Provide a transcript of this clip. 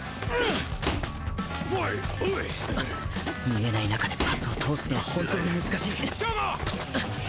見えない中でパスを通すのは本当に難しい。